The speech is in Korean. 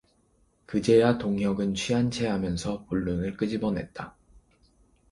그제야 동혁은 취한 체하면서 본론을 끄집어냈다.